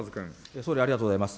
総理、ありがとうございます。